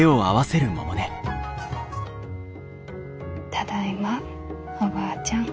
ただいまおばあちゃん。